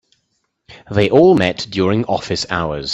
They all met during office hours.